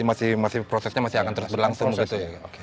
berarti prosesnya masih akan terus berlangsung gitu